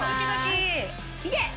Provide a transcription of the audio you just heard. いけ！